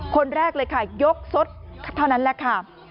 คนแรกเลยค่ะยกสดเท่านั้นแหละค่ะ